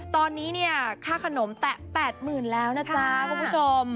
ตอนนี้เนี่ยค่าขนมแตะ๘๐๐๐แล้วนะจ๊ะคุณผู้ชม